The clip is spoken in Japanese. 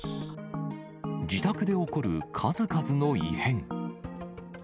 自宅で起こる数々の異変。